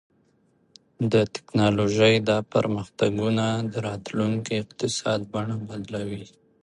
د ټیکنالوژۍ دا پرمختګونه د راتلونکي اقتصاد بڼه بدلوي.